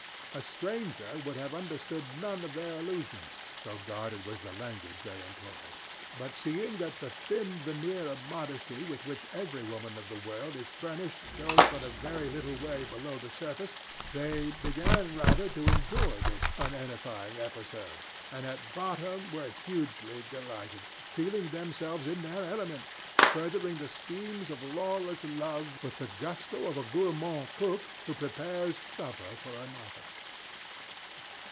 A stranger would have understood none of their allusions, so guarded was the language they employed. But, seeing that the thin veneer of modesty with which every woman of the world is furnished goes but a very little way below the surface, they began rather to enjoy this unedifying episode, and at bottom were hugely delighted feeling themselves in their element, furthering the schemes of lawless love with the gusto of a gourmand cook who prepares supper for another.